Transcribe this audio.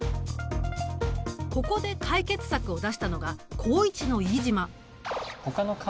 ここで解決策を出したのが高１の飯島。